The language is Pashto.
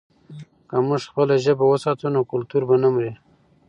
که موږ خپله ژبه وساتو، نو کلتور به نه مري.